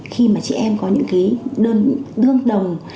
khi mà chị em có những đơn đương đồng